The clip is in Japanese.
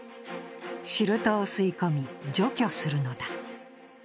シルトを吸い込み、除去するのだ。